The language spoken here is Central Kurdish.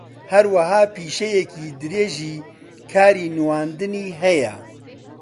ھەروەھا پیشەیەکی درێژی کاری نواندنی ھەیە